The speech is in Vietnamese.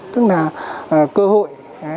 tức là cơ hội